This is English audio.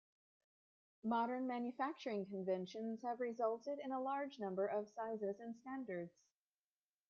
Modern manufacturing conventions have resulted in a large number of sizes and standards.